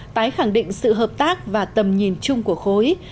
tái khẳng định sự hợp tác và tầm nhìn chung của khối